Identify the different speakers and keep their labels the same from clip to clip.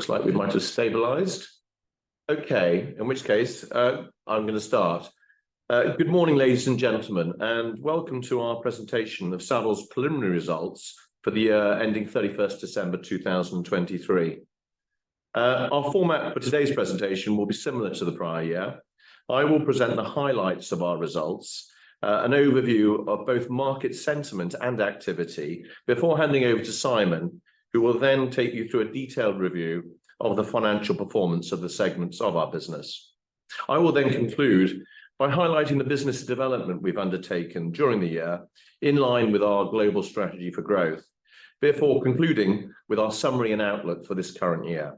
Speaker 1: Looks like we might have stabilized. Okay, in which case, I'm going to start. Good morning, ladies and gentlemen, and welcome to our presentation of Savills' preliminary results for the year ending 31st December 2023. Our format for today's presentation will be similar to the prior year. I will present the highlights of our results, an overview of both market sentiment and activity before handing over to Simon, who will then take you through a detailed review of the financial performance of the segments of our business. I will then conclude by highlighting the business development we've undertaken during the year in line with our global strategy for growth, before concluding with our summary and outlook for this current year.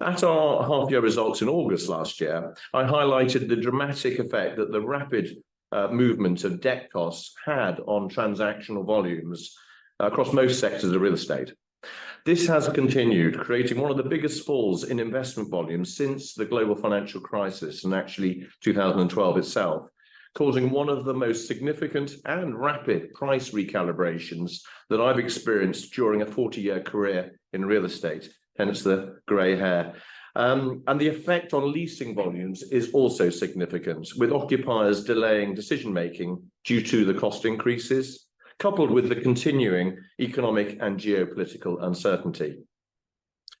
Speaker 1: At our half-year results in August last year, I highlighted the dramatic effect that the rapid movement of debt costs had on transactional volumes across most sectors of real estate. This has continued, creating one of the biggest falls in investment volumes since the global financial crisis and actually 2012 itself, causing one of the most significant and rapid price recalibrations that I've experienced during a 40-year career in real estate, hence the gray hair. And the effect on leasing volumes is also significant, with occupiers delaying decision-making due to the cost increases, coupled with the continuing economic and geopolitical uncertainty.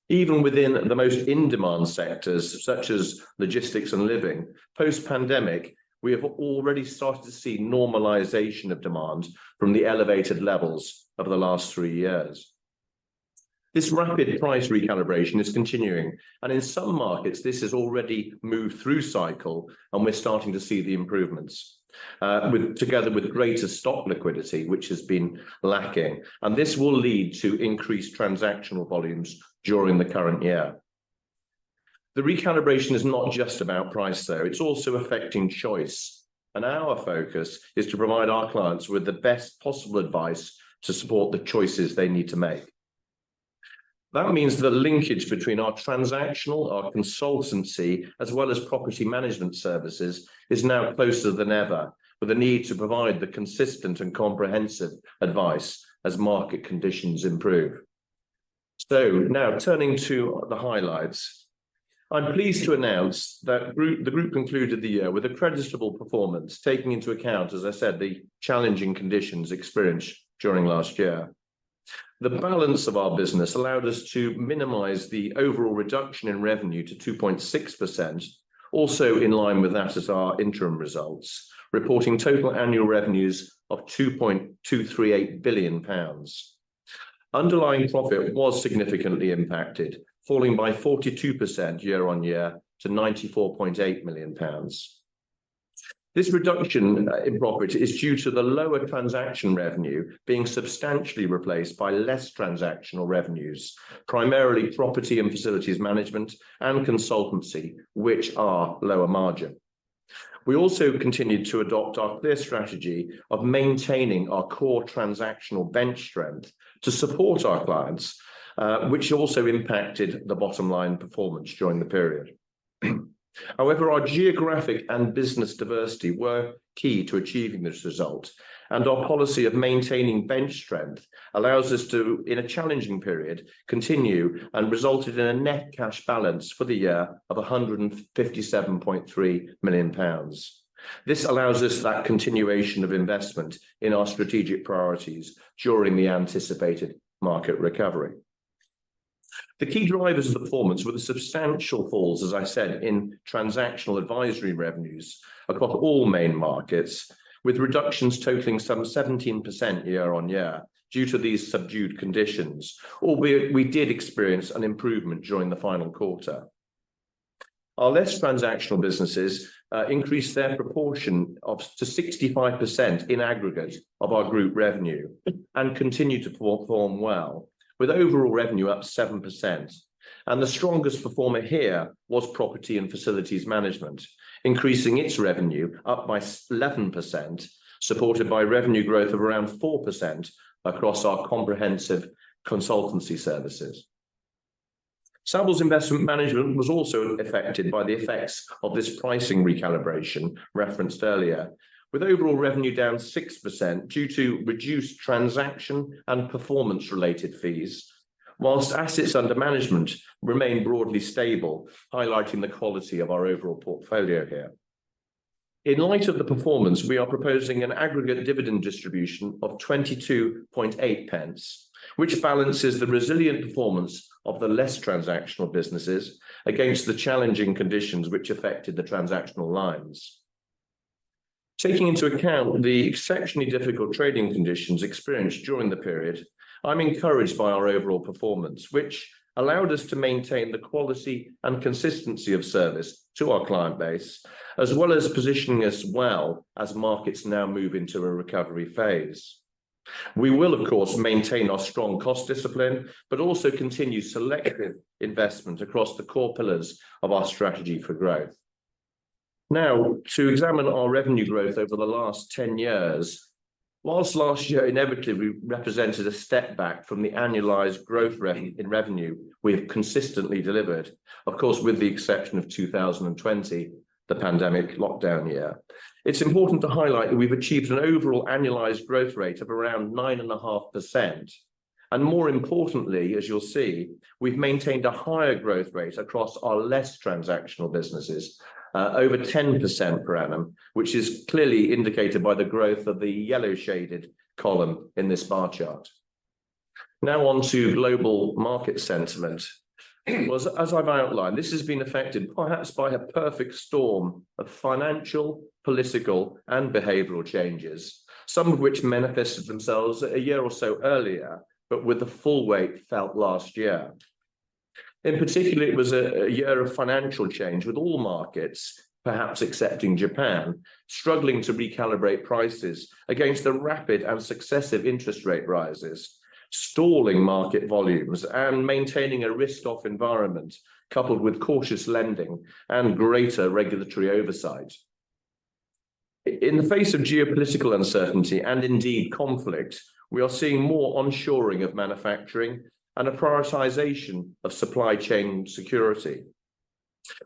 Speaker 1: Even within the most in-demand sectors such as logistics and living, post-pandemic, we have already started to see normalization of demand from the elevated levels of the last three years. This rapid price recalibration is continuing, and in some markets this has already moved through cycle, and we're starting to see the improvements, together with greater stock liquidity, which has been lacking. And this will lead to increased transactional volumes during the current year. The recalibration is not just about price, though. It's also affecting choice. Our focus is to provide our clients with the best possible advice to support the choices they need to make. That means the linkage between our transactional, our consultancy, as well as property management services is now closer than ever, with the need to provide the consistent and comprehensive advice as market conditions improve. Now turning to the highlights. I'm pleased to announce that the group concluded the year with a creditable performance, taking into account, as I said, the challenging conditions experienced during last year. The balance of our business allowed us to minimize the overall reduction in revenue to 2.6%, also in line with that as our interim results, reporting total annual revenues of 2.238 billion pounds. Underlying profit was significantly impacted, falling by 42% year-on-year to 94.8 million pounds. This reduction in profit is due to the lower transaction revenue being substantially replaced by less transactional revenues, primarily property and facilities management and consultancy, which are lower margin. We also continued to adopt our clear strategy of maintaining our core transactional bench strength to support our clients, which also impacted the bottom line performance during the period. However, our geographic and business diversity were key to achieving this result, and our policy of maintaining bench strength allows us to, in a challenging period, continue and resulted in a net cash balance for the year of 157.3 million pounds. This allows us that continuation of investment in our strategic priorities during the anticipated market recovery. The key drivers of performance were the substantial falls, as I said, in transactional advisory revenues across all main markets, with reductions totaling some 17% year-on-year due to these subdued conditions. Although we did experience an improvement during the final quarter. Our less transactional businesses increased their proportion up to 65% in aggregate of our group revenue and continue to perform well, with overall revenue up 7%. The strongest performer here was property and facilities management, increasing its revenue up by 11%, supported by revenue growth of around 4% across our comprehensive consultancy services. Savills' investment management was also affected by the effects of this pricing recalibration referenced earlier, with overall revenue down 6% due to reduced transaction and performance-related fees, while assets under management remain broadly stable, highlighting the quality of our overall portfolio here. In light of the performance, we are proposing an aggregate dividend distribution of 0.22, which balances the resilient performance of the less transactional businesses against the challenging conditions which affected the transactional lines. Taking into account the exceptionally difficult trading conditions experienced during the period, I'm encouraged by our overall performance, which allowed us to maintain the quality and consistency of service to our client base, as well as positioning us well as markets now move into a recovery phase. We will, of course, maintain our strong cost discipline, but also continue selective investment across the core pillars of our strategy for growth. Now, to examine our revenue growth over the last 10 years, whilst last year inevitably represented a step back from the annualized growth in revenue we have consistently delivered, of course, with the exception of 2020, the pandemic lockdown year, it's important to highlight that we've achieved an overall annualized growth rate of around 9.5%. And more importantly, as you'll see, we've maintained a higher growth rate across our less transactional businesses, over 10% per annum, which is clearly indicated by the growth of the yellow shaded column in this bar chart. Now on to global market sentiment. Well, as I've outlined, this has been affected perhaps by a perfect storm of financial, political, and behavioral changes, some of which manifested themselves a year or so earlier, but with the full weight felt last year. In particular, it was a year of financial change with all markets, perhaps excepting Japan, struggling to recalibrate prices against the rapid and successive interest rate rises, stalling market volumes, and maintaining a risk-off environment coupled with cautious lending and greater regulatory oversight. In the face of geopolitical uncertainty and indeed conflict, we are seeing more onshoring of manufacturing and a prioritization of supply chain security.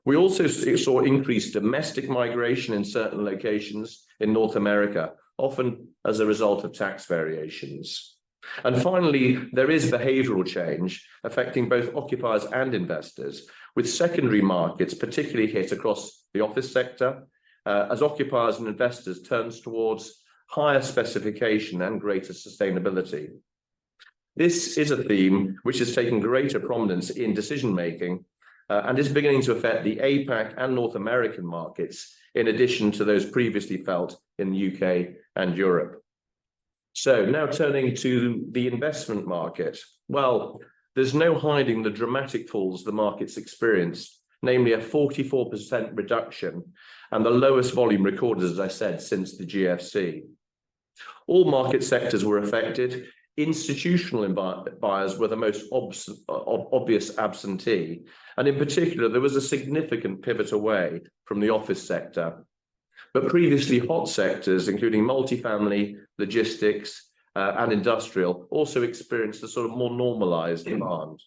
Speaker 1: We also saw increased domestic migration in certain locations in North America, often as a result of tax variations. And finally, there is behavioral change affecting both occupiers and investors, with secondary markets particularly hit across the office sector, as occupiers and investors turn towards higher specification and greater sustainability. This is a theme which has taken greater prominence in decision-making, and is beginning to affect the APAC and North American markets in addition to those previously felt in the UK and Europe. So now turning to the investment market. Well, there's no hiding the dramatic falls the markets experienced, namely a 44% reduction and the lowest volume recorded, as I said, since the GFC. All market sectors were affected. Institutional buyers were the most obvious absentee, and in particular, there was a significant pivot away from the office sector. But previously hot sectors, including multifamily, logistics, and industrial, also experienced a sort of more normalized demand.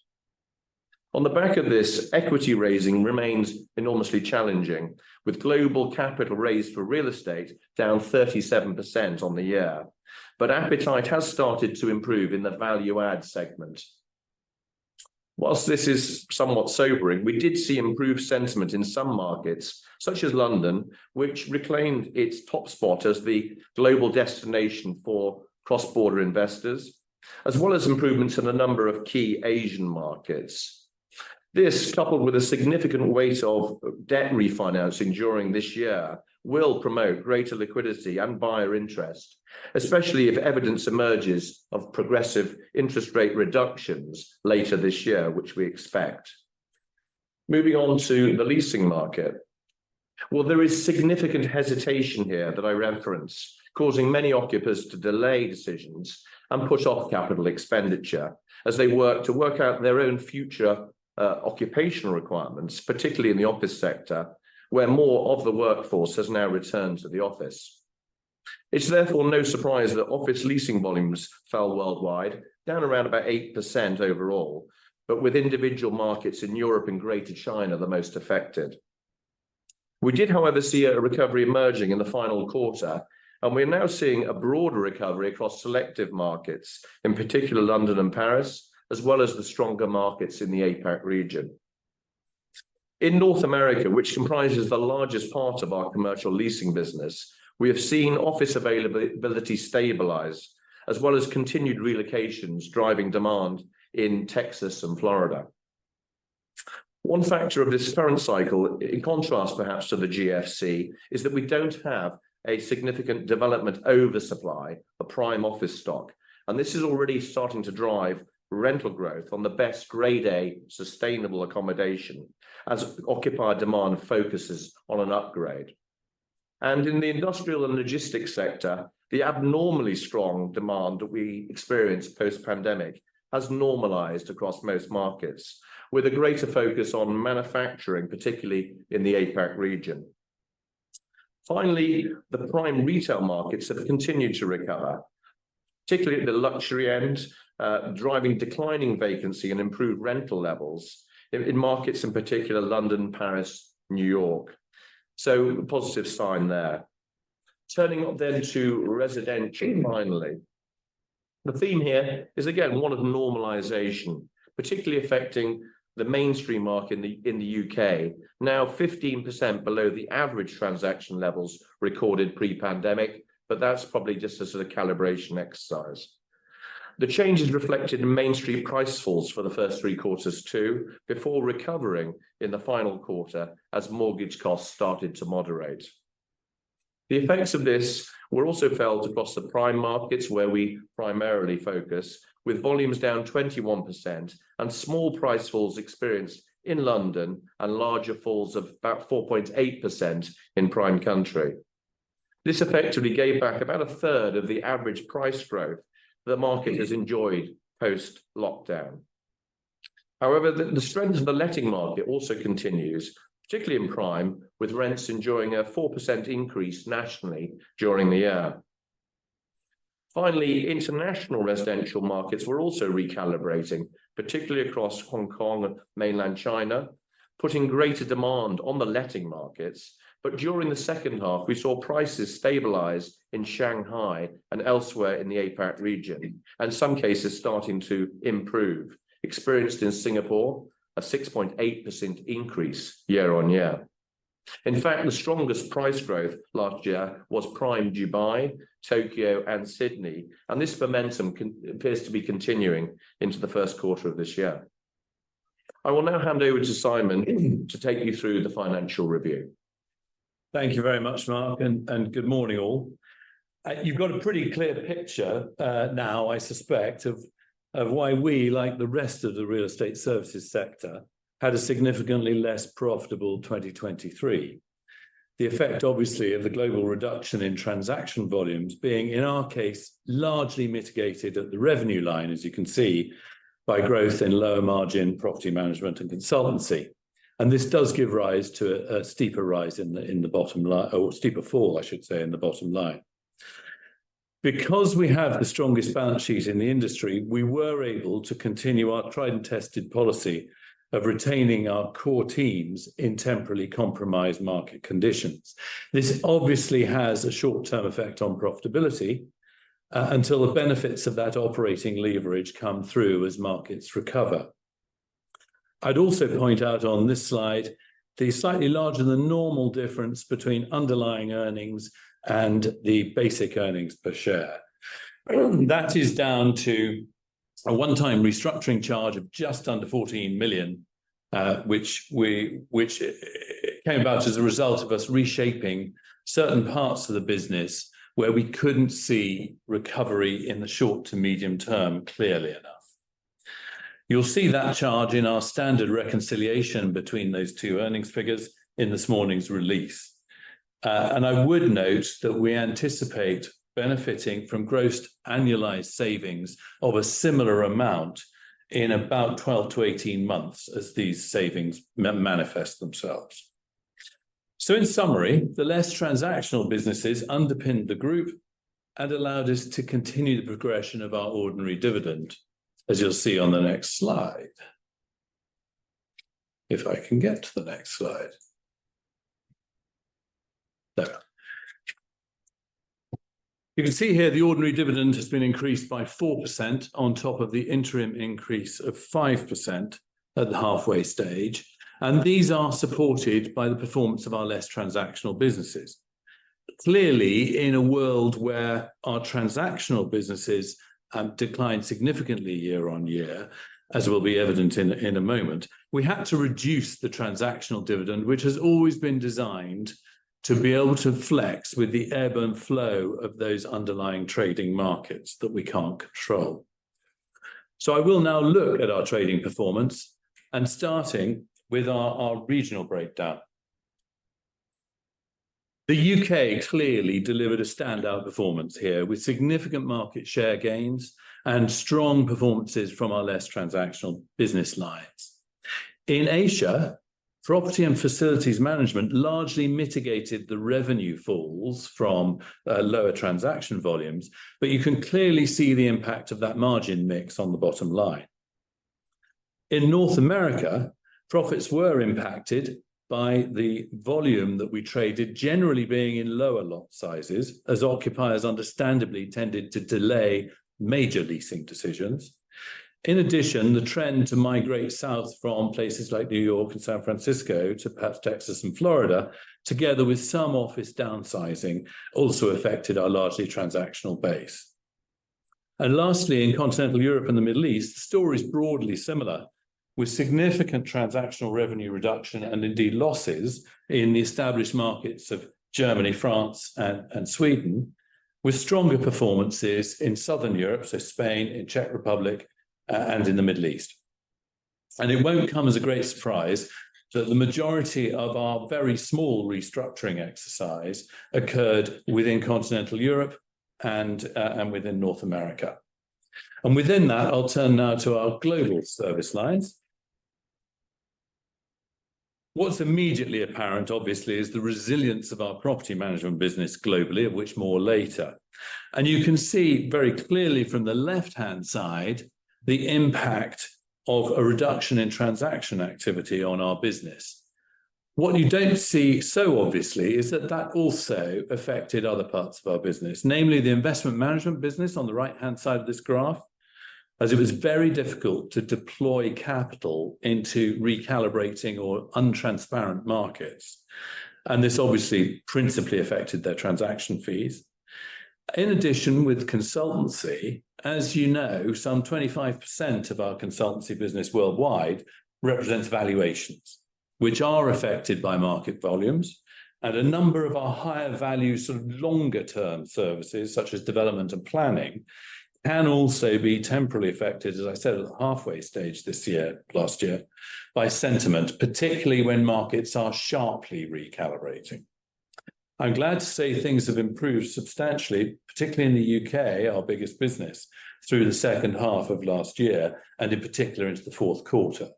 Speaker 1: On the back of this, equity raising remains enormously challenging, with global capital raised for real estate down 37% on the year. But appetite has started to improve in the value add segment. While this is somewhat sobering, we did see improved sentiment in some markets such as London, which reclaimed its top spot as the global destination for cross-border investors, as well as improvements in a number of key Asian markets. This, coupled with a significant weight of debt refinancing during this year, will promote greater liquidity and buyer interest, especially if evidence emerges of progressive interest rate reductions later this year, which we expect. Moving on to the leasing market. Well, there is significant hesitation here that I referenced, causing many occupiers to delay decisions and push off capital expenditure as they work to work out their own future, occupational requirements, particularly in the office sector, where more of the workforce has now returned to the office. It's therefore no surprise that office leasing volumes fell worldwide, down around about 8% overall, but with individual markets in Europe and Greater China the most affected. We did, however, see a recovery emerging in the final quarter, and we are now seeing a broader recovery across selective markets, in particular London and Paris, as well as the stronger markets in the APAC region. In North America, which comprises the largest part of our commercial leasing business, we have seen office availability stabilize, as well as continued relocations driving demand in Texas and Florida. One factor of this current cycle, in contrast perhaps to the GFC, is that we don't have a significant development oversupply of prime office stock, and this is already starting to drive rental growth on the best grade A sustainable accommodation as occupier demand focuses on an upgrade. And in the industrial and logistics sector, the abnormally strong demand that we experienced post-pandemic has normalized across most markets, with a greater focus on manufacturing, particularly in the APAC region. Finally, the prime retail markets have continued to recover, particularly at the luxury end, driving declining vacancy and improved rental levels in markets, in particular London, Paris, New York. So a positive sign there. Turning up then to residential. Finally. The theme here is again one of normalization, particularly affecting the mainstream market in the UK, now 15% below the average transaction levels recorded pre-pandemic. But that's probably just a sort of calibration exercise. The change is reflected in mainstream price falls for the first three quarters, too, before recovering in the final quarter as mortgage costs started to moderate. The effects of this were also felt across the prime markets, where we primarily focus, with volumes down 21% and small price falls experienced in London and larger falls of about 4.8% in rime country. This effectively gave back about a third of the average price growth that market has enjoyed post-lockdown. However, the strength of the letting market also continues, particularly in prime, with rents enjoying a 4% increase nationally during the year. Finally, international residential markets were also recalibrating, particularly across Hong Kong and Mainland China, putting greater demand on the letting markets. But during the second half, we saw prices stabilize in Shanghai and elsewhere in the APAC region, and some cases starting to improve, experienced in Singapore a 6.8% increase year-over-year. In fact, the strongest price growth last year was prime Dubai, Tokyo, and Sydney, and this momentum appears to be continuing into the first quarter of this year. I will now hand over to Simon to take you through the financial review. Thank you very much, Mark, and good morning all. You've got a pretty clear picture, now, I suspect, of why we, like the rest of the real estate services sector, had a significantly less profitable 2023. The effect, obviously, of the global reduction in transaction volumes being, in our case, largely mitigated at the revenue line, as you can see, by growth in lower margin property management and consultancy. This does give rise to a steeper rise in the bottom line or steeper fall, I should say, in the bottom line. Because we have the strongest balance sheet in the industry, we were able to continue our tried and tested policy of retaining our core teams in temporarily compromised market conditions. This obviously has a short-term effect on profitability, until the benefits of that operating leverage come through as markets recover. I'd also point out on this slide the slightly larger than normal difference between underlying earnings and the basic earnings per share. That is down to a one-time restructuring charge of just under $14 million, which it came about as a result of us reshaping certain parts of the business where we couldn't see recovery in the short to medium term clearly enough. You'll see that charge in our standard reconciliation between those two earnings figures in this morning's release. And I would note that we anticipate benefiting from grossed annualized savings of a similar amount in about 12-18 months as these savings manifest themselves. So in summary, the less transactional businesses underpinned the group and allowed us to continue the progression of our ordinary dividend, as you'll see on the next slide. If I can get to the next slide. You can see here the ordinary dividend has been increased by 4% on top of the interim increase of 5% at the halfway stage, and these are supported by the performance of our less transactional businesses. Clearly, in a world where our transactional businesses decline significantly year on year, as will be evident in a moment, we had to reduce the transactional dividend, which has always been designed to be able to flex with the ebb and flow of those underlying trading markets that we can't control. So I will now look at our trading performance and starting with our regional breakdown. The UK clearly delivered a standout performance here with significant market share gains and strong performances from our less transactional business lines. In Asia, property and facilities management largely mitigated the revenue falls from lower transaction volumes, but you can clearly see the impact of that margin mix on the bottom line. In North America, profits were impacted by the volume that we traded, generally being in lower lot sizes, as occupiers understandably tended to delay major leasing decisions. In addition, the trend to migrate south from places like New York and San Francisco to perhaps Texas and Florida, together with some office downsizing, also affected our largely transactional base. And lastly, in continental Europe and the Middle East, the story is broadly similar, with significant transactional revenue reduction and indeed losses in the established markets of Germany, France, and Sweden, with stronger performances in southern Europe, so Spain, in Czech Republic, and in the Middle East. And it won't come as a great surprise that the majority of our very small restructuring exercise occurred within continental Europe and within North America. And within that, I'll turn now to our global service lines. What's immediately apparent, obviously, is the resilience of our property management business globally, of which more later. You can see very clearly from the left-hand side the impact of a reduction in transaction activity on our business. What you don't see so obviously is that that also affected other parts of our business, namely the investment management business on the right-hand side of this graph. As it was very difficult to deploy capital into recalibrating or untransparent markets. This obviously principally affected their transaction fees. In addition, with consultancy, as you know, some 25% of our consultancy business worldwide represents valuations, which are affected by market volumes. A number of our higher value, sort of longer-term services, such as development and planning, can also be temporarily affected, as I said, at the halfway stage this year, last year, by sentiment, particularly when markets are sharply recalibrating. I'm glad to say things have improved substantially, particularly in the UK, our biggest business, through the second half of last year and in particular into the fourth quarter.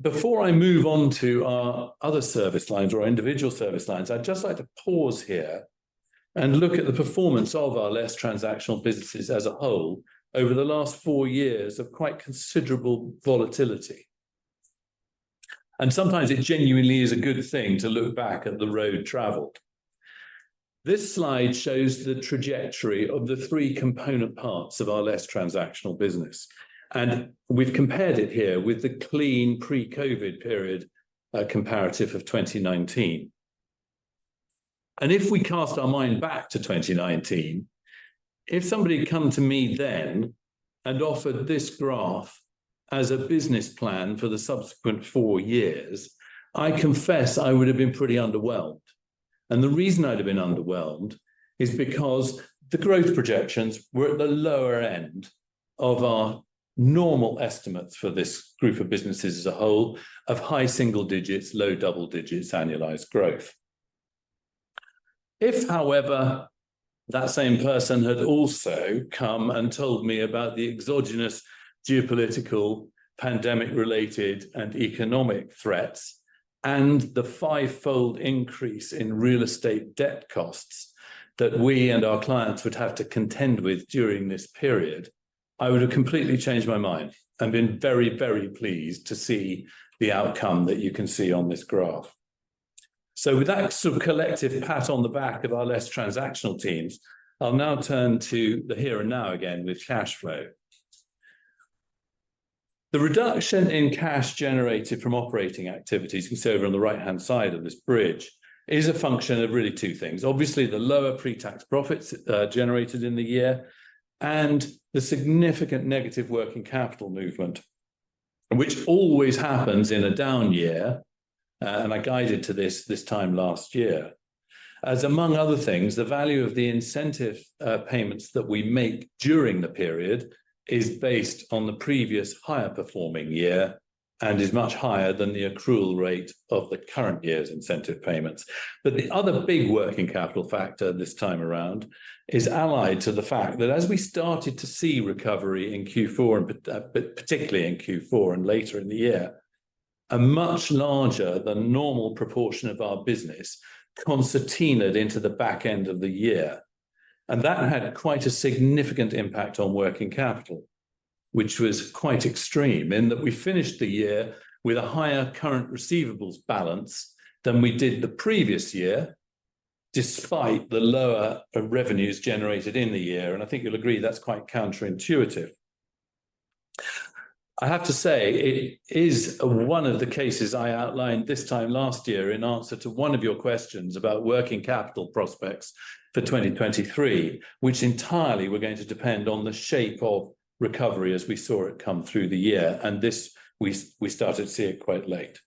Speaker 1: Before I move on to our other service lines or our individual service lines, I'd just like to pause here and look at the performance of our less transactional businesses as a whole over the last four years of quite considerable volatility. Sometimes it genuinely is a good thing to look back at the road traveled. This slide shows the trajectory of the three component parts of our less transactional business. We've compared it here with the clean pre-COVID period, a comparative of 2019. If we cast our mind back to 2019, if somebody had come to me then and offered this graph as a business plan for the subsequent four years. I confess I would have been pretty underwhelmed. The reason I'd have been underwhelmed is because the growth projections were at the lower end of our normal estimates for this group of businesses as a whole of high single digits, low double digits, annualized growth. If, however, that same person had also come and told me about the exogenous geopolitical pandemic-related and economic threats and the five-fold increase in real estate debt costs that we and our clients would have to contend with during this period, I would have completely changed my mind and been very, very pleased to see the outcome that you can see on this graph. With that sort of collective pat on the back of our less transactional teams, I'll now turn to the here and now again with cash flow.
Speaker 2: The reduction in cash generated from operating activities you can see over on the right-hand side of this bridge is a function of really 2 things. Obviously, the lower pre-tax profits generated in the year, and the significant negative working capital movement, which always happens in a down year. I guided to this this time last year. As among other things, the value of the incentive payments that we make during the period is based on the previous higher performing year, and is much higher than the accrual rate of the current year's incentive payments. The other big working capital factor this time around is allied to the fact that as we started to see recovery in Q4 and particularly in Q4 and later in the year, a much larger than normal proportion of our business concertinaed into the back end of the year. And that had quite a significant impact on working capital. Which was quite extreme in that we finished the year with a higher current receivables balance than we did the previous year. Despite the lower revenues generated in the year, and I think you'll agree that's quite counterintuitive. I have to say it is one of the cases I outlined this time last year in answer to one of your questions about working capital prospects. For 2023, which entirely were going to depend on the shape of recovery as we saw it come through the year, and this we started to see it quite late.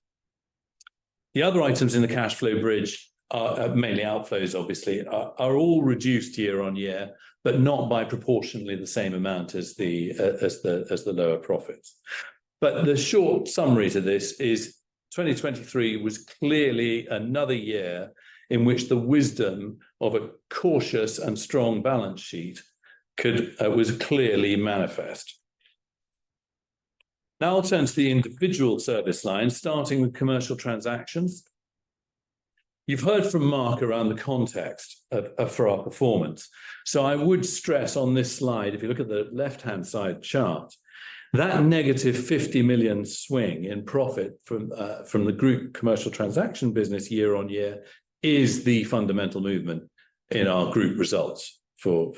Speaker 2: The other items in the cash flow bridge are mainly outflows, obviously, are all reduced year-on-year, but not by proportionally the same amount as the lower profits. But the short summary to this is 2023 was clearly another year in which the wisdom of a cautious and strong balance sheet was clearly manifest. Now I'll turn to the individual service lines, starting with commercial transactions. You've heard from Mark around the context for our performance. So I would stress on this slide, if you look at the left-hand side chart. That negative 50 million swing in profit from the group commercial transaction business year-over-year is the fundamental movement in our group results for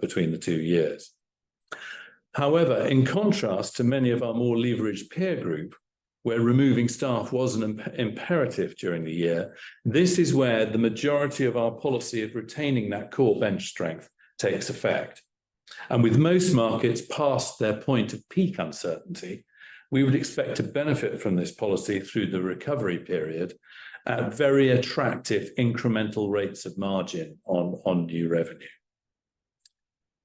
Speaker 2: between the two years. However, in contrast to many of our more leveraged peer group. Where removing staff was an imperative during the year. This is where the majority of our policy of retaining that core bench strength takes effect. And with most markets past their point of peak uncertainty. We would expect to benefit from this policy through the recovery period. At very attractive incremental rates of margin on on new revenue.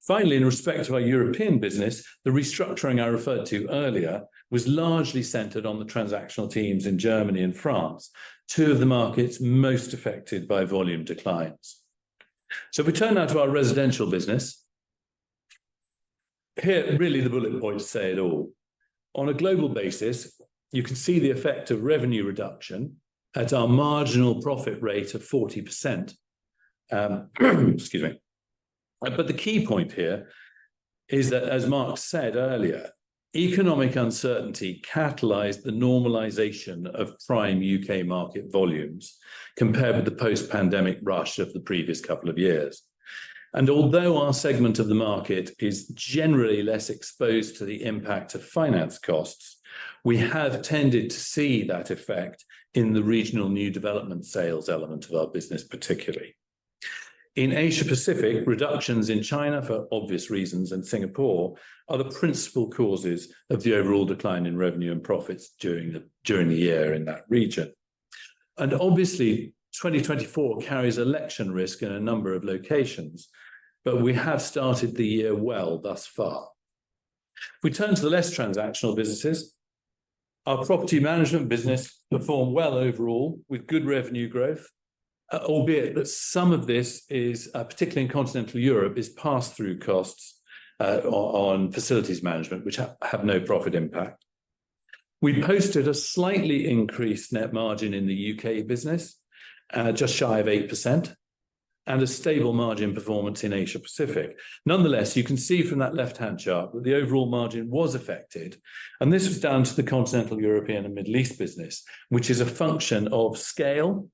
Speaker 2: Finally, in respect to our European business, the restructuring I referred to earlier was largely centered on the transactional teams in Germany and France, two of the markets most affected by volume declines. So if we turn now to our residential business. Here really the bullet points say it all. On a global basis, you can see the effect of revenue reduction at our marginal profit rate of 40%. Excuse me. But the key point here is that, as Mark said earlier, economic uncertainty catalyzed the normalization of prime UK market volumes compared with the post-pandemic rush of the previous couple of years. And although our segment of the market is generally less exposed to the impact of finance costs. We have tended to see that effect in the regional new development sales element of our business, particularly. In Asia Pacific, reductions in China for obvious reasons, and Singapore are the principal causes of the overall decline in revenue and profits during the year in that region. And obviously, 2024 carries election risk in a number of locations. But we have started the year well thus far. We turn to the less transactional businesses. Our property management business performed well overall with good revenue growth. Albeit that some of this is particularly in continental Europe is pass-through costs on facilities management, which have no profit impact. We posted a slightly increased net margin in the UK. business just shy of 8%. And a stable margin performance in Asia Pacific. Nonetheless, you can see from that left-hand chart that the overall margin was affected. This was down to the continental European and Middle East business, which is a function of scale.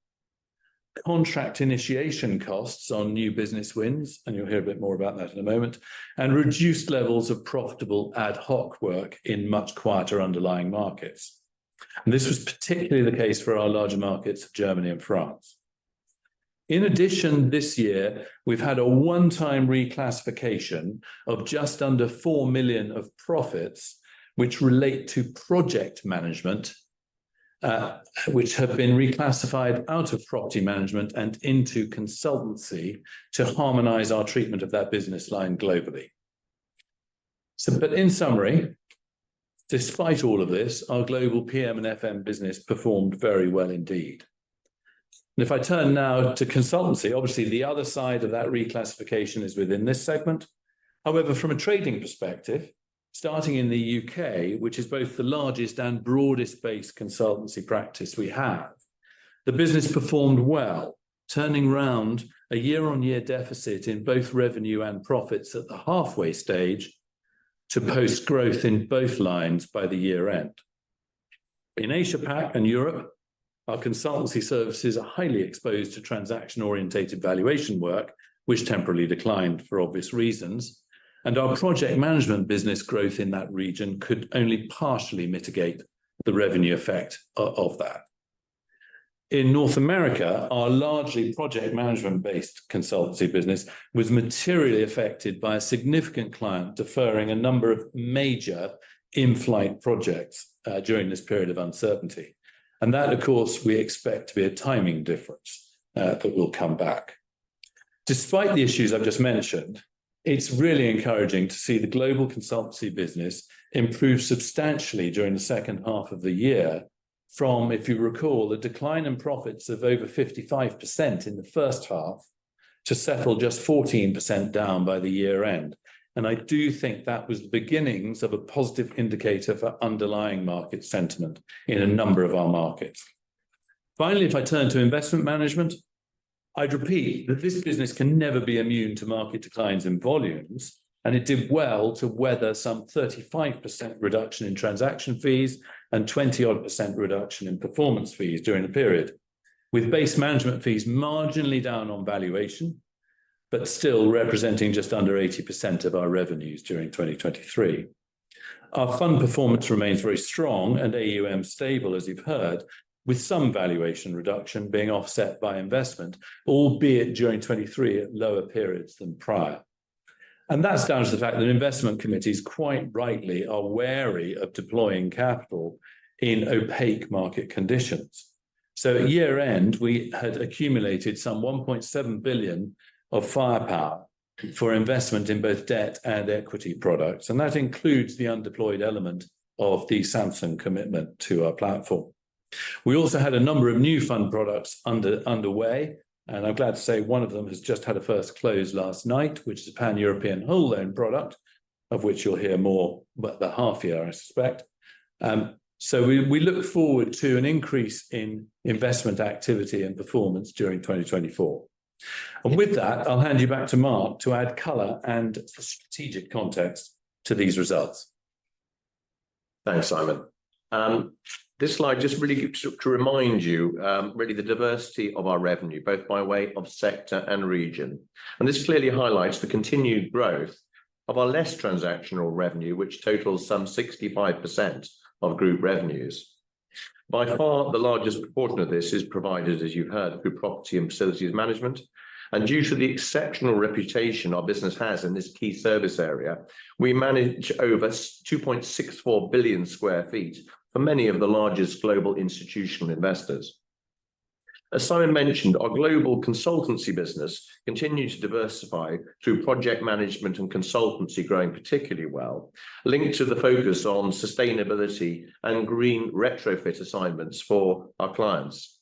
Speaker 2: Contract initiation costs on new business wins, and you'll hear a bit more about that in a moment, and reduced levels of profitable ad hoc work in much quieter underlying markets. This was particularly the case for our larger markets of Germany and France. In addition, this year we've had a one-time reclassification of just under 4 million of profits, which relate to project management, which have been reclassified out of property management and into consultancy to harmonize our treatment of that business line globally. But in summary, despite all of this, our global PM and FM business performed very well indeed. If I turn now to consultancy, obviously the other side of that reclassification is within this segment. However, from a trading perspective. Starting in the UK, which is both the largest and broadest-based consultancy practice we have. The business performed well, turning round a year-on-year deficit in both revenue and profits at the halfway stage to post growth in both lines by the year end. In Asia Pac and Europe, our consultancy services are highly exposed to transaction-oriented valuation work, which temporarily declined for obvious reasons. Our project management business growth in that region could only partially mitigate the revenue effect of that. In North America, our largely project management-based consultancy business was materially affected by a significant client deferring a number of major in-flight projects during this period of uncertainty. And that, of course, we expect to be a timing difference that will come back. Despite the issues I've just mentioned. It's really encouraging to see the global consultancy business improve substantially during the second half of the year. From, if you recall, a decline in profits of over 55% in the first half to settle just 14% down by the year end. And I do think that was the beginnings of a positive indicator for underlying market sentiment in a number of our markets. Finally, if I turn to investment management. I'd repeat that this business can never be immune to market declines in volumes, and it did well to weather some 35% reduction in transaction fees and 20-odd% reduction in performance fees during the period. With base management fees marginally down on valuation. But still representing just under 80% of our revenues during 2023. Our fund performance remains very strong and AUM stable, as you've heard, with some valuation reduction being offset by investment, albeit during 2023 at lower levels than prior. That's down to the fact that investment committees quite rightly are wary of deploying capital in opaque market conditions. At year end, we had accumulated some 1.7 billion of firepower for investment in both debt and equity products, and that includes the undeployed element of the Samsung commitment to our platform. We also had a number of new fund products underway, and I'm glad to say one of them has just had a first close last night, which is a pan-European whole loan product, of which you'll hear more about the half year, I suspect. So we look forward to an increase in investment activity and performance during 2024. And with that, I'll hand you back to Mark to add color and strategic context to these results.
Speaker 1: Thanks, Simon. This slide just really to remind you, really the diversity of our revenue, both by way of sector and region. And this clearly highlights the continued growth of our less transactional revenue, which totals some 65% of group revenues. By far the largest proportion of this is provided, as you've heard, through property and facilities management. And due to the exceptional reputation our business has in this key service area, we manage over 2.64 billion sq ft for many of the largest global institutional investors. As Simon mentioned, our global consultancy business continues to diversify through project management and consultancy growing particularly well, linked to the focus on sustainability and green retrofit assignments for our clients.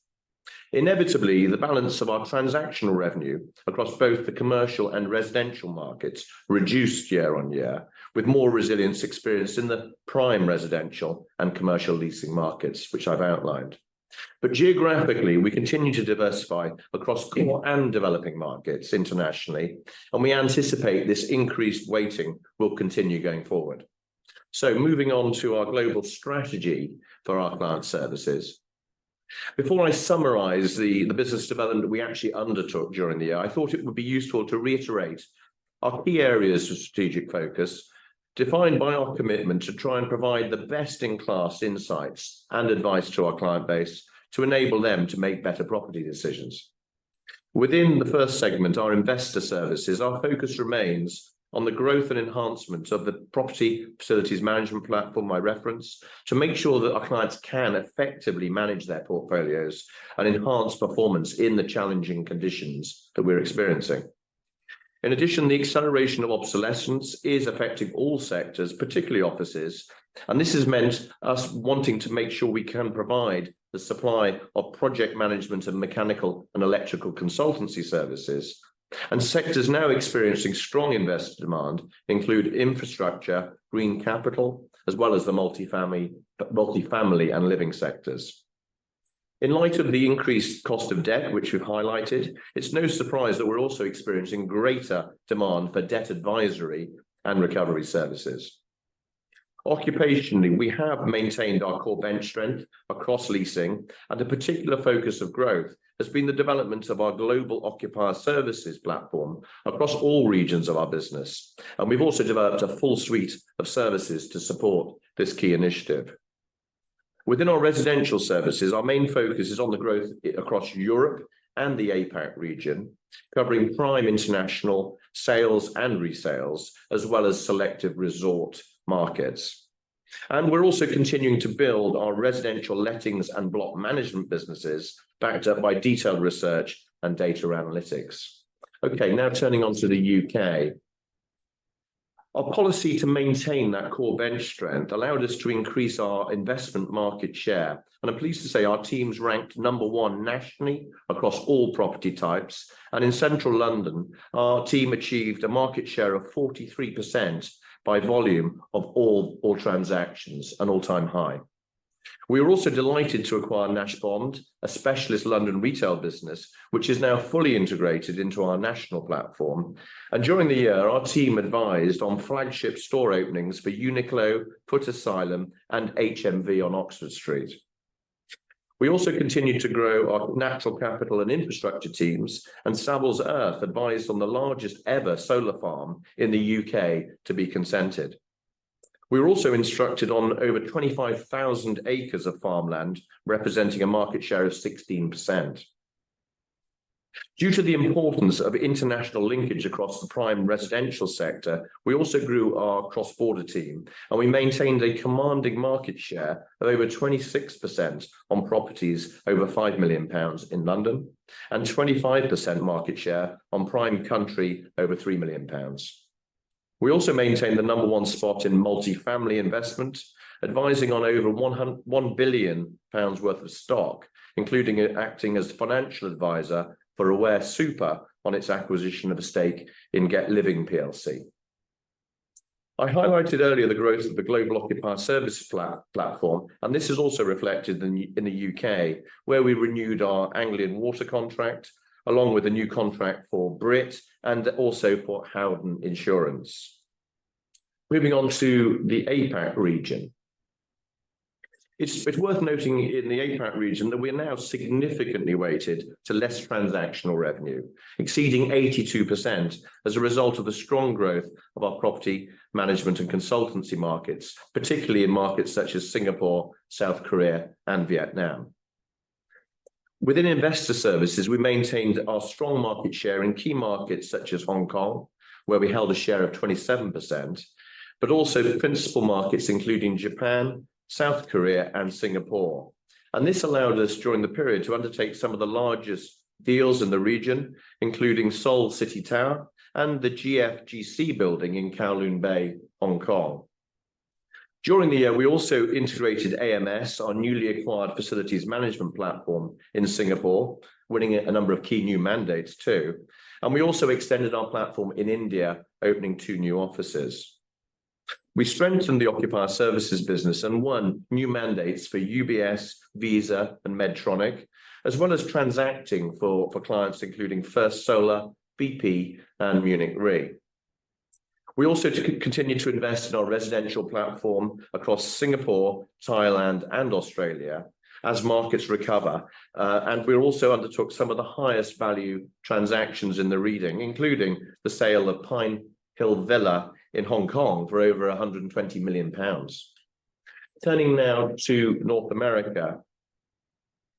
Speaker 1: Inevitably, the balance of our transactional revenue across both the commercial and residential markets reduced year on year with more resilience experienced in the prime residential and commercial leasing markets, which I've outlined. But geographically, we continue to diversify across core and developing markets internationally, and we anticipate this increased weighting will continue going forward. So moving on to our global strategy for our client services. Before I summarize the business development we actually undertook during the year, I thought it would be useful to reiterate. Our key areas of strategic focus. Defined by our commitment to try and provide the best in class insights and advice to our client base to enable them to make better property decisions. Within the first segment, our investor services, our focus remains on the growth and enhancement of the property facilities management platform I referenced to make sure that our clients can effectively manage their portfolios and enhance performance in the challenging conditions that we're experiencing. In addition, the acceleration of obsolescence is affecting all sectors, particularly offices. This has meant us wanting to make sure we can provide the supply of project management and mechanical and electrical consultancy services. Sectors now experiencing strong investor demand include infrastructure, green capital, as well as the multifamily and living sectors. In light of the increased cost of debt, which we've highlighted, it's no surprise that we're also experiencing greater demand for debt advisory and recovery services. Operationally, we have maintained our core bench strength across leasing, and a particular focus of growth has been the development of our Global Occupier Services platform across all regions of our business. We've also developed a full suite of services to support this key initiative. Within our residential services, our main focus is on the growth across Europe and the APAC region, covering prime international sales and resales, as well as selective resort markets. We're also continuing to build our residential lettings and block management businesses backed up by detailed research and data analytics. Okay, now turning to the UK. Our policy to maintain that core bench strength allowed us to increase our investment market share, and I'm pleased to say our team's ranked number one nationally across all property types, and in central London, our team achieved a market share of 43% by volume of all transactions and all-time high. We are also delighted to acquire Nash Bond, a specialist London retail business, which is now fully integrated into our national platform. During the year, our team advised on flagship store openings for Uniqlo, Footasylum, and HMV on Oxford Street. We also continue to grow our natural capital and infrastructure teams, and Savills Earth advised on the largest ever solar farm in the UK to be consented. We were also instructed on over 25,000 acres of farmland representing a market share of 16%. Due to the importance of international linkage across the prime residential sector, we also grew our cross-border team, and we maintained a commanding market share of over 26% on properties over 5 million pounds in London. 25% market share on prime country over 3 million pounds. We also maintain the number one spot in multifamily investment, advising on over 1 billion pounds worth of stock, including acting as financial advisor for Aware Super on its acquisition of a stake in Get Living PLC. I highlighted earlier the growth of the Global Occupier Service platform, and this is also reflected in the UK, where we renewed our Anglian Water contract, along with a new contract for Brit and also for Howden Insurance. Moving on to the APAC region. It's worth noting in the APAC region that we are now significantly weighted to less transactional revenue, exceeding 82% as a result of the strong growth of our property management and consultancy markets, particularly in markets such as Singapore, South Korea, and Vietnam. Within investor services, we maintained our strong market share in key markets such as Hong Kong, where we held a share of 27%. But also principal markets, including Japan, South Korea, and Singapore. This allowed us during the period to undertake some of the largest deals in the region, including Seoul City Tower and the GFGC building in Kowloon Bay, Hong Kong. During the year, we also integrated AMS, our newly acquired facilities management platform in Singapore, winning a number of key new mandates too. We also extended our platform in India, opening two new offices. We strengthened the occupier services business and won new mandates for UBS, Visa, and Medtronic, as well as transacting for clients, including First Solar, BP, and Munich Re. We also continue to invest in our residential platform across Singapore, Thailand, and Australia as markets recover, and we also undertook some of the highest value transactions in the region, including the sale of Pine Hill in Hong Kong for over 120 million pounds. Turning now to North America.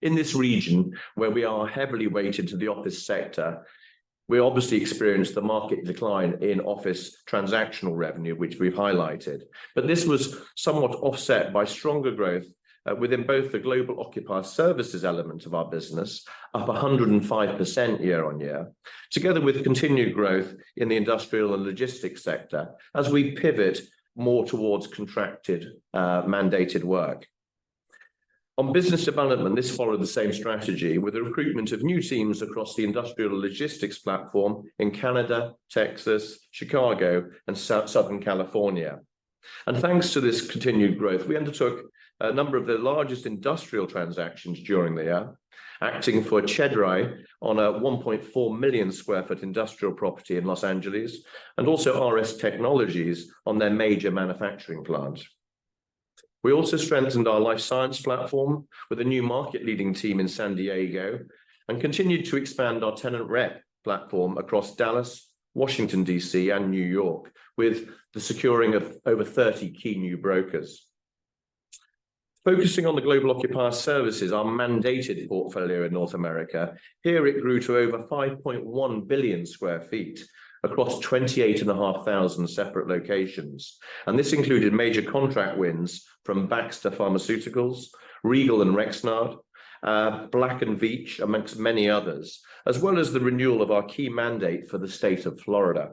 Speaker 1: In this region, where we are heavily weighted to the office sector. We obviously experienced the market decline in office transactional revenue, which we've highlighted, but this was somewhat offset by stronger growth within both the Global Occupier Services element of our business, up 105% year-on-year, together with continued growth in the industrial and logistics sector as we pivot more towards contracted, mandated work. On business development, this followed the same strategy with the recruitment of new teams across the industrial logistics platform in Canada, Texas, Chicago, and Southern California. And thanks to this continued growth, we undertook a number of the largest industrial transactions during the year, acting for Chedraui on a 1.4 million sq ft industrial property in Los Angeles, and also RS Technologies on their major manufacturing plant. We also strengthened our life science platform with a new market leading team in San Diego. And continued to expand our tenant rep platform across Dallas, Washington, D.C., and New York, with the securing of over 30 key new brokers. Focusing on the Global Occupier Services, our mandated portfolio in North America here it grew to over 5.1 billion sq ft across 28,500 separate locations, and this included major contract wins from Baxter Pharmaceuticals, Regal Rexnord, Black & Veatch, amongst many others, as well as the renewal of our key mandate for the state of Florida.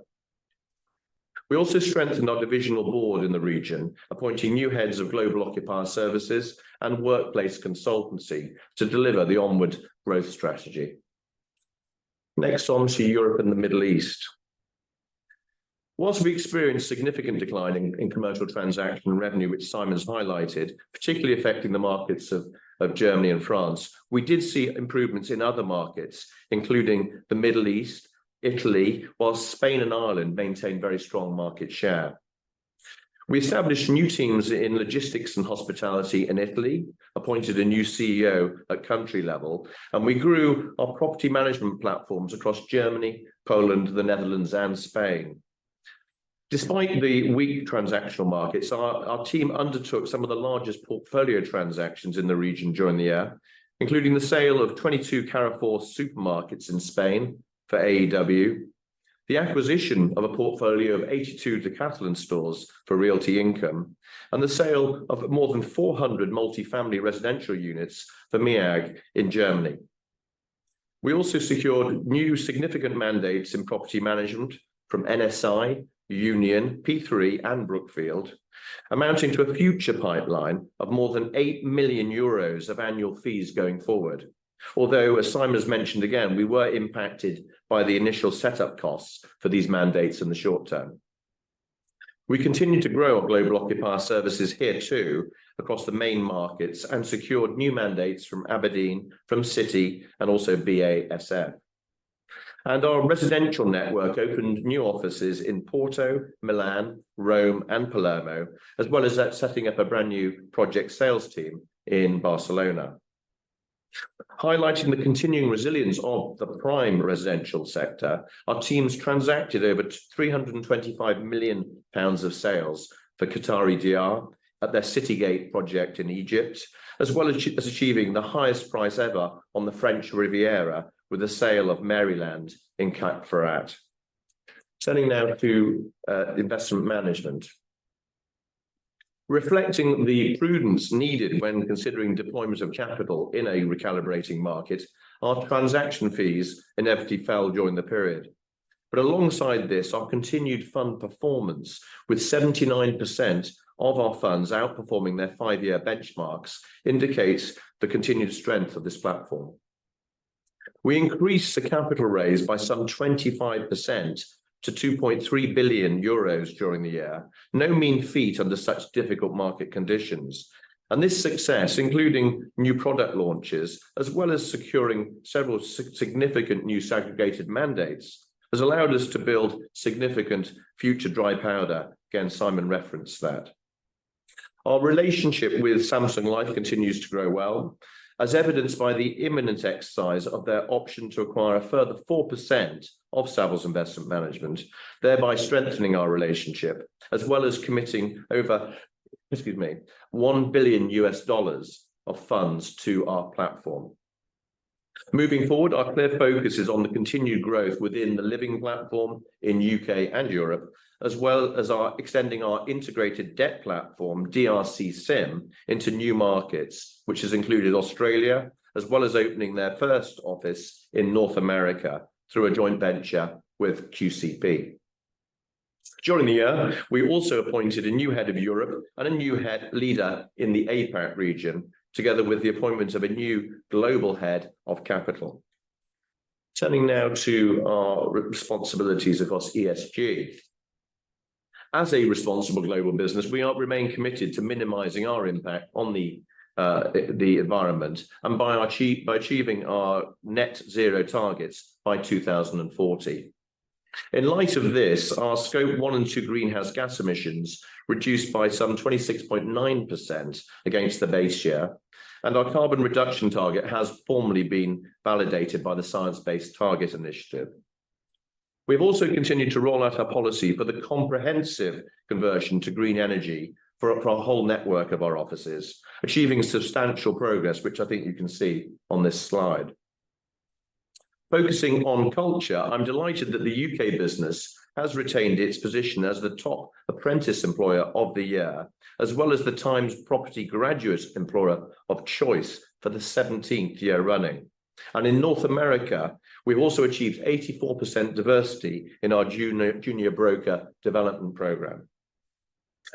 Speaker 1: We also strengthened our divisional board in the region, appointing new heads of Global Occupier Services and workplace consultancy to deliver the onward growth strategy. Next on to Europe and the Middle East. While we experienced significant decline in commercial transaction revenue, which Simon has highlighted, particularly affecting the markets of Germany and France, we did see improvements in other markets, including the Middle East, Italy, while Spain and Ireland maintained very strong market share. We established new teams in logistics and hospitality in Italy, appointed a new CEO at country level, and we grew our property management platforms across Germany, Poland, the Netherlands, and Spain. Despite the weak transactional markets, our team undertook some of the largest portfolio transactions in the region during the year, including the sale of 22 Carrefour supermarkets in Spain for AEW. The acquisition of a portfolio of 82 Decathlon stores for Realty Income, and the sale of more than 400 multifamily residential units for MEAG in Germany. We also secured new significant mandates in property management from NSI, Union, P3, and Brookfield, amounting to a future pipeline of more than 8 million euros of annual fees going forward. Although, as Simon's mentioned again, we were impacted by the initial setup costs for these mandates in the short term. We continue to grow our Global Occupier Services here too, across the main markets, and secured new mandates from abrdn, from Citi, and also BASF. And our residential network opened new offices in Porto, Milan, Rome, and Palermo, as well as setting up a brand new project sales team in Barcelona. Highlighting the continuing resilience of the prime residential sector, our teams transacted over 325 million pounds of sales for Qatari Diar at their CityGate project in Egypt, as well as achieving the highest price ever on the French Riviera with the sale of Villa Maryland in Cap Ferrat. Turning now to investment management. Reflecting the prudence needed when considering deployment of capital in a recalibrating market, our transaction fees inevitably fell during the period. But alongside this, our continued fund performance, with 79% of our funds outperforming their 5-year benchmarks, indicates the continued strength of this platform. We increased the capital raise by some 25% to 2.3 billion euros during the year, no mean feat under such difficult market conditions. This success, including new product launches, as well as securing several significant new segregated mandates, has allowed us to build significant future dry powder, again Simon referenced that. Our relationship with Samsung Life continues to grow well, as evidenced by the imminent exercise of their option to acquire a further 4% of Savills Investment Management, thereby strengthening our relationship, as well as committing over, excuse me, $1 billion of funds to our platform. Moving forward, our clear focus is on the continued growth within the living platform in UK and Europe, as well as our extending our integrated debt platform, DRC SIM, into new markets, which has included Australia, as well as opening their first office in North America through a joint venture with QCP. During the year, we also appointed a new head of Europe and a new head leader in the APAC region, together with the appointment of a new global head of capital. Turning now to our responsibilities across ESG. As a responsible global business, we remain committed to minimizing our impact on the environment and by achieving our net zero targets by 2040. In light of this, our Scope 1 and 2 greenhouse gas emissions reduced by some 26.9% against the base year. Our carbon reduction target has formally been validated by the Science Based Targets initiative. We've also continued to roll out our policy for the comprehensive conversion to green energy for our whole network of our offices, achieving substantial progress, which I think you can see on this slide. Focusing on culture, I'm delighted that the UK business has retained its position as the top apprentice employer of the year, as well as the Times Property Graduate Employer of Choice for the 17th year running. In North America, we've also achieved 84% diversity in our junior junior broker development program.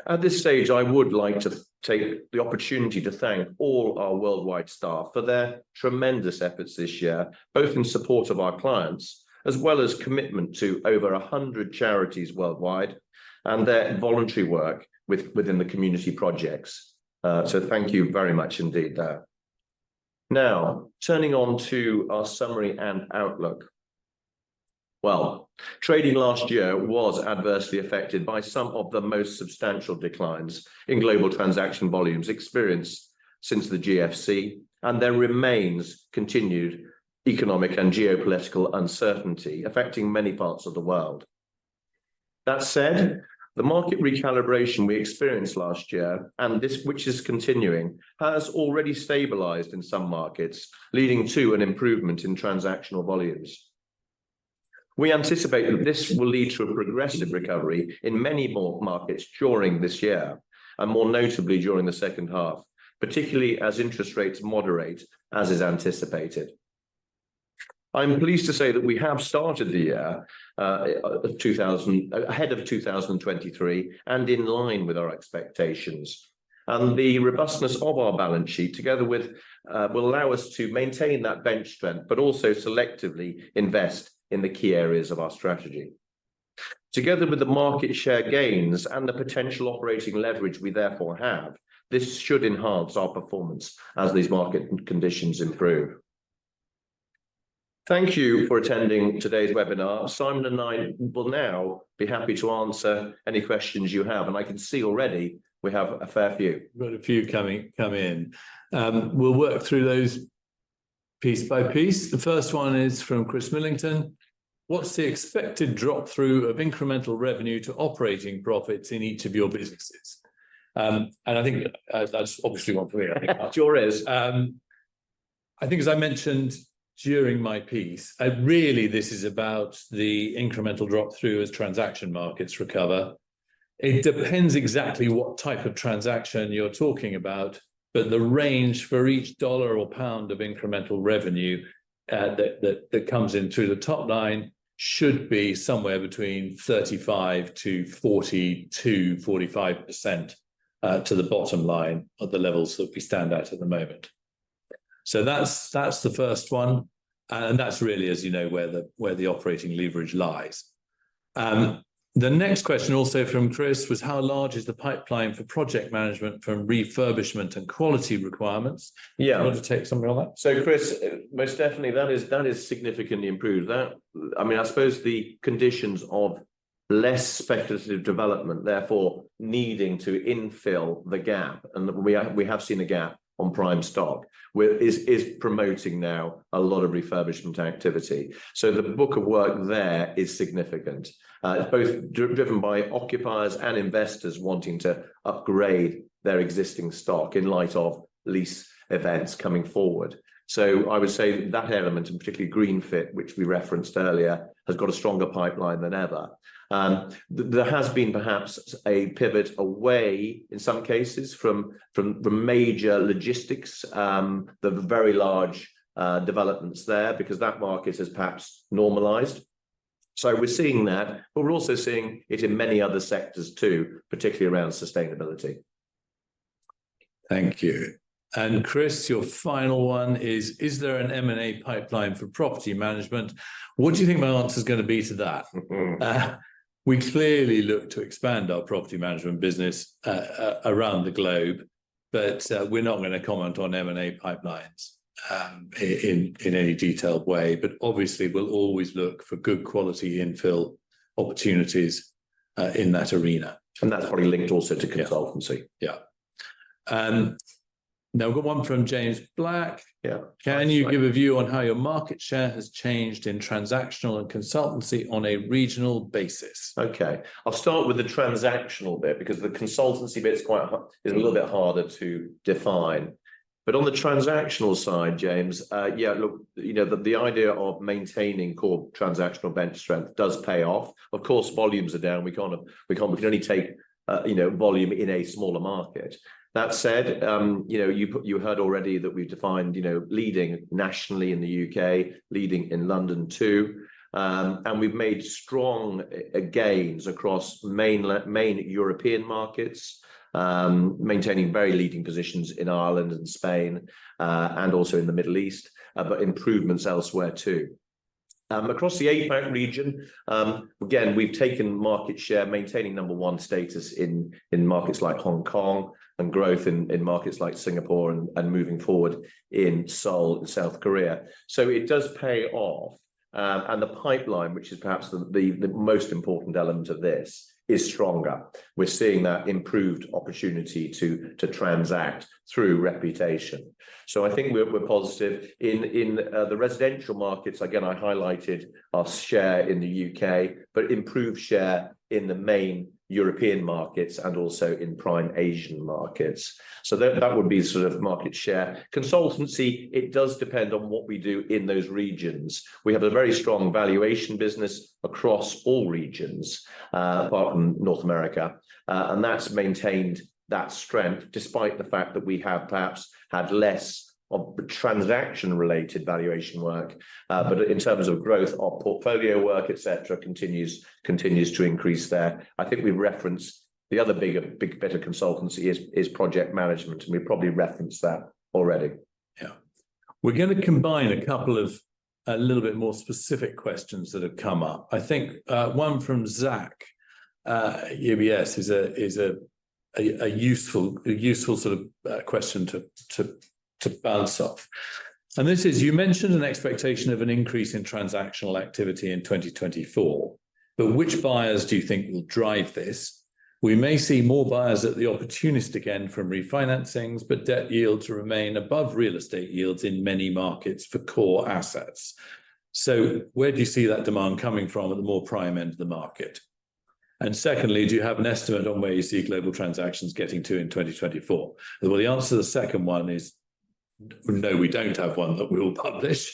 Speaker 1: At this stage, I would like to take the opportunity to thank all our worldwide staff for their tremendous efforts this year, both in support of our clients, as well as commitment to over 100 charities worldwide and their voluntary work within the community projects. So thank you very much indeed there. Now turning on to our summary and outlook. Well, trading last year was adversely affected by some of the most substantial declines in global transaction volumes experienced since the GFC, and there remains continued economic and geopolitical uncertainty affecting many parts of the world. That said, the market recalibration we experienced last year, and this, which is continuing, has already stabilized in some markets, leading to an improvement in transactional volumes. We anticipate that this will lead to a progressive recovery in many more markets during this year, and more notably during the second half, particularly as interest rates moderate, as is anticipated. I'm pleased to say that we have started the year, 2024 ahead of 2023 and in line with our expectations. And the robustness of our balance sheet, together with, will allow us to maintain that bench strength, but also selectively invest in the key areas of our strategy. Together with the market share gains and the potential operating leverage we therefore have, this should enhance our performance as these market conditions improve. Thank you for attending today's webinar. Simon and I will now be happy to answer any questions you have, and I can see already we have a fair few. But a few coming in. We'll work through those, piece by piece. The first one is from Chris Millington.
Speaker 3: What's the expected drop through of incremental revenue to operating profits in each of your businesses? And I think that's obviously one for me. I think yours is. I think as I mentioned during my piece, I really this is about the incremental drop through as transaction markets recover.
Speaker 1: It depends exactly what type of transaction you're talking about, but the range for each dollar or pound of incremental revenue, that that comes in through the top line should be somewhere between 35%-42%-45% to the bottom line of the levels that we stand at at the moment. So that's the first one. And that's really, as you know, where the operating leverage lies. The next question also from Chris was how large is the pipeline for project management from refurbishment and quality requirements? Yeah. I want to take something on that. So Chris, most definitely that is significantly improved. That, I mean, I suppose the conditions of less speculative development, therefore needing to infill the gap, and that we have seen a gap on prime stock, where is promoting now a lot of refurbishment activity. So the book of work there is significant. It's both driven by occupiers and investors wanting to upgrade their existing stock in light of lease events coming forward. So I would say that element, and particularly GreenFit, which we referenced earlier, has got a stronger pipeline than ever. There has been perhaps a pivot away in some cases from major logistics, the very large, developments there, because that market has perhaps normalized. So we're seeing that, but we're also seeing it in many other sectors too, particularly around sustainability. Thank you. And Chris, your final one is, is there an M&A pipeline for property management? What do you think my answer is going to be to that? Mm-hmm. We clearly look to expand our property management business around the globe, but we're not going to comment on M&A pipelines in any detailed way, but obviously we'll always look for good quality infill opportunities in that arena. And that's probably linked also to consultancy. Yeah. Now we've got one from James Black. Yeah. Can you give a view on how your market share has changed in transactional and consultancy on a regional basis? Okay. I'll start with the transactional bit because the consultancy bit is quite a little bit harder to define. But on the transactional side, James, yeah, look, you know, the idea of maintaining core transactional bench strength does pay off. Of course, volumes are down. We can't. We can only take, you know, volume in a smaller market. That said, you know, you heard already that we've defined, you know, leading nationally in the UK, leading in London too. And we've made strong gains across main European markets, maintaining very leading positions in Ireland and Spain, and also in the Middle East, but improvements elsewhere too. Across the APAC region, again, we've taken market share, maintaining number one status in markets like Hong Kong and growth in markets like Singapore and moving forward in Seoul and South Korea. So it does pay off. And the pipeline, which is perhaps the most important element of this, is stronger. We're seeing that improved opportunity to transact through reputation. So I think we're positive in the residential markets. Again, I highlighted our share in the UK, but improved share in the main European markets and also in prime Asian markets. So that would be sort of market share. Consultancy, it does depend on what we do in those regions. We have a very strong valuation business across all regions, apart from North America, and that's maintained that strength despite the fact that we have perhaps had less of transaction-related valuation work. But in terms of growth, our portfolio work, etc., continues to increase there. I think we've referenced the other bigger consultancy is project management, and we probably referenced that already. Yeah. We're going to combine a couple of a little bit more specific questions that have come up. I think, one from Zach. UBS is a useful sort of question to bounce off. And this is, you mentioned an expectation of an increase in transactional activity in 2024. But which buyers do you think will drive this?
Speaker 3: We may see more buyers at the opportunistic end again from refinancings, but debt yields remain above real estate yields in many markets for core assets. So where do you see that demand coming from at the more prime end of the market? And secondly, do you have an estimate on where you see global transactions getting to in 2024? Well, the answer to the second one is, no, we don't have one that we will publish.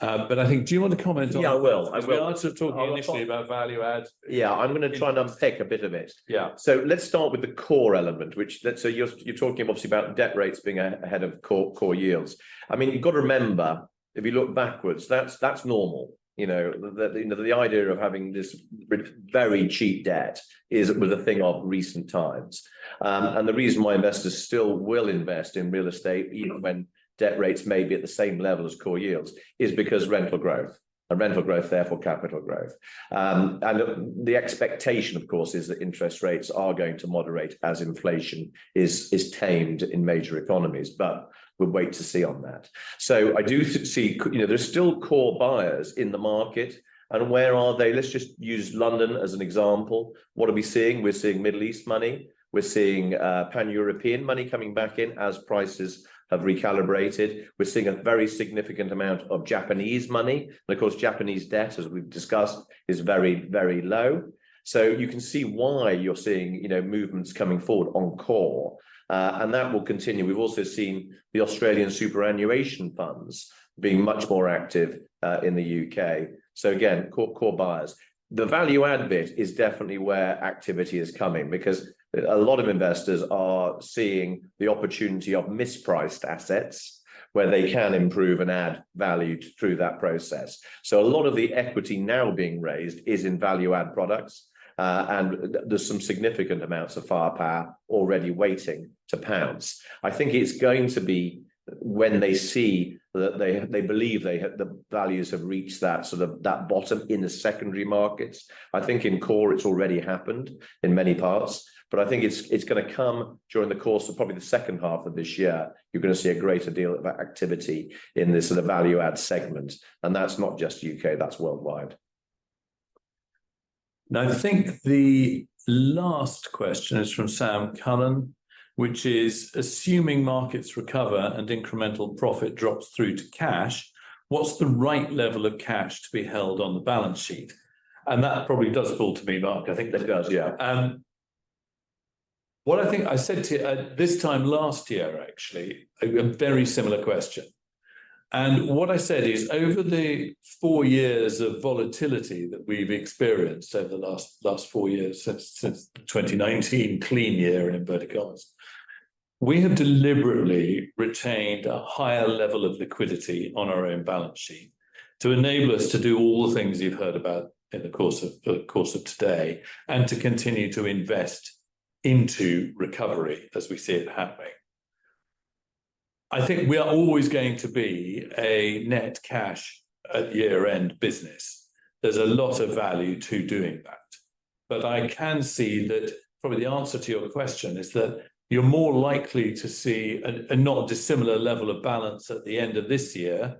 Speaker 3: But I think, do you want to comment on? Yeah, I will. I will. We started talking initially about value add. Yeah, I'm going to try and unpick a bit of it. Yeah. So let's start with the core element, which, let's say, you're talking obviously about debt rates being ahead of core yields. I mean, you've got to remember, if you look backwards, that's normal.
Speaker 1: You know, that you know the idea of having this very cheap debt is a thing of recent times. The reason why investors still will invest in real estate, even when debt rates may be at the same level as core yields, is because rental growth and rental growth, therefore capital growth. The expectation, of course, is that interest rates are going to moderate as inflation is tamed in major economies, but we'll wait to see on that. So I do see, you know, there's still core buyers in the market. And where are they? Let's just use London as an example. What are we seeing? We're seeing Middle East money. We're seeing pan-European money coming back in as prices have recalibrated. We're seeing a very significant amount of Japanese money. And of course, Japanese debt, as we've discussed, is very, very low. So you can see why you're seeing, you know, movements coming forward on core. And that will continue. We've also seen the Australian superannuation funds being much more active in the UK. So again, core core buyers. The value add bit is definitely where activity is coming because a lot of investors are seeing the opportunity of mispriced assets where they can improve and add value through that process. So a lot of the equity now being raised is in value add products. And there's some significant amounts of firepower already waiting to pounce. I think it's going to be when they see that they they believe they have the values have reached that sort of that bottom in the secondary markets. I think in core it's already happened in many parts, but I think it's going to come during the course of probably the second half of this year. You're going to see a greater deal of activity in this sort of value add segment. And that's not just UK, that's worldwide. Now I think the last question is from Sam Cullen, which is assuming markets recover and incremental profit drops through to cash, what's the right level of cash to be held on the balance sheet? And that probably does fall to me, Mark. I think that does. Yeah. What I think I said to you this time last year, actually, a very similar question. And what I said is over the four years of volatility that we've experienced over the last four years, since the 2019 clean year in inverted commas, we have deliberately retained a higher level of liquidity on our own balance sheet to enable us to do all the things you've heard about in the course of today and to continue to invest into recovery as we see it happening. I think we are always going to be a net cash at year-end business. There's a lot of value to doing that. But I can see that probably the answer to your question is that you're more likely to see a not dissimilar level of balance at the end of this year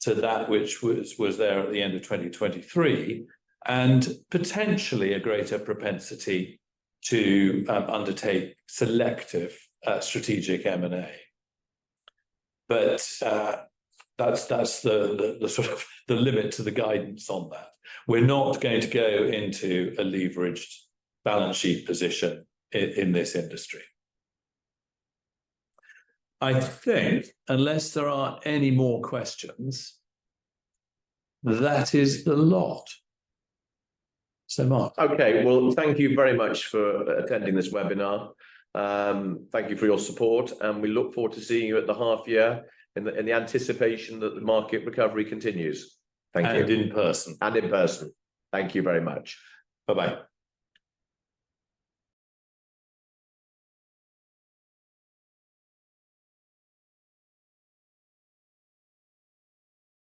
Speaker 1: to that which was there at the end of 2023, and potentially a greater propensity to undertake selective strategic M&A. But that's the sort of limit to the guidance on that. We're not going to go into a leveraged balance sheet position in this industry. I think unless there are any more questions, that is the lot. So Mark. Okay, well, thank you very much for attending this webinar. Thank you for your support, and we look forward to seeing you at the half year in the anticipation that the market recovery continues. Thank you. And in person. Thank you very much. Bye-bye.